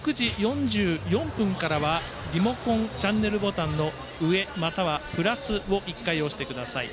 ６時４４分からはリモコンチャンネルボタンの上またはプラスを１回押してください。